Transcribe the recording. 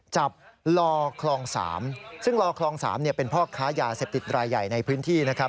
จับลอคลอง๓ซึ่งลอคลอง๓เป็นพ่อค้ายาเสพติดรายใหญ่ในพื้นที่นะครับ